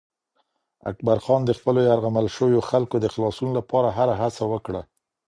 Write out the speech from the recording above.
اکبرخان د خپلو یرغمل شویو خلکو د خلاصون لپاره هره هڅه وکړه.